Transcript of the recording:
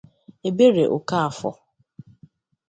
Ebere Okafor